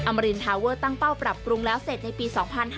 มารินทาเวอร์ตั้งเป้าปรับปรุงแล้วเสร็จในปี๒๕๕๙